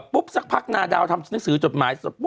ปุ๊บสักพักนาดาวทำทางนักสือจดหมาย